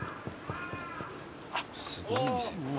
すごい店。